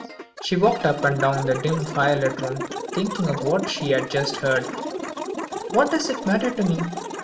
She walked up and down the dim fire lit room, thinking of what she had just heard. "What does it matter to me?